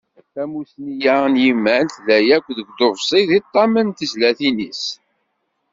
Tamussni-a n yiman, tella akk deg uḍebsi, deg ṭam n tezlatin-is.